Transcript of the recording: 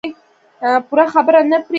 پوره خبره نیمه نه پرېږده.